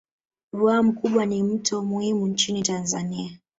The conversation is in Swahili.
Ruaha Mkubwa ni mto muhimu nchini Tanzania